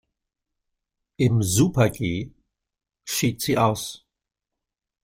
Im Super-G schied sie aus.